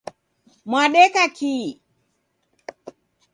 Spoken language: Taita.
Mwadeka kii?